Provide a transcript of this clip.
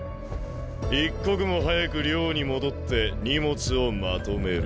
一刻も早く寮に戻って荷物をまとめる。